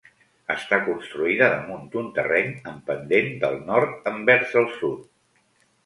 Està construïda damunt d'un terreny en pendent del nord envers el sud.